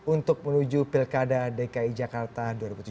untuk menuju pilkada dki jakarta dua ribu tujuh belas